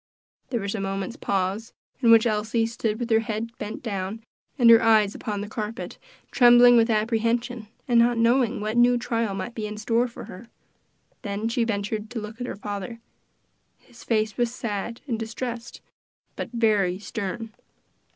There was a moment's pause, in which Elsie stood with her head bent down and her eyes upon the carpet, trembling with apprehension, and not knowing what new trial might be in store for her. Then she ventured to look at her father. His face was sad and distressed, but very stern.